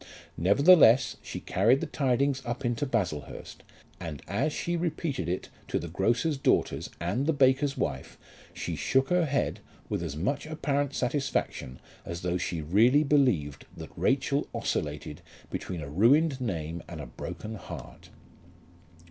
Nevertheless she carried the tidings up into Baslehurst, and as she repeated it to the grocer's daughters and the baker's wife she shook her head with as much apparent satisfaction as though she really believed that Rachel oscillated between a ruined name and a broken heart.